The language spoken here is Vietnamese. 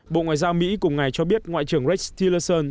bộ ngoại giao mỹ cùng ngày cho biết ngoại trưởng rex tillerson